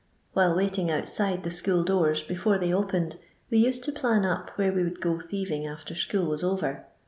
While waiting outside the school doors, before they opened, we used to plan up where we would go thieving after school was over.